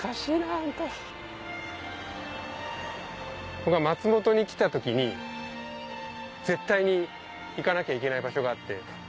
僕は松本に来た時に絶対に行かなきゃいけない場所があって。